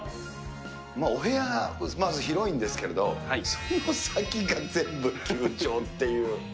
まあ、お部屋、まず広いんですけれど、その先が全部球場っていう。